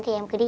thì em cứ đi